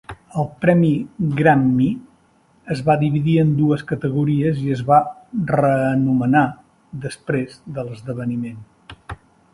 El premi Grammy es va dividir en dues categories i es va reanomenar després de l'esdeveniment.